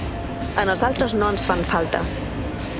A nosaltres no ens fan falta.